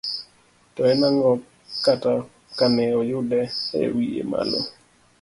To en ang'o kata kane oyude e wiye malo?